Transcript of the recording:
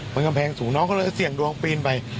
มันกำแพงสูงน้องก็เลยเสี่ยงดวงปีนไป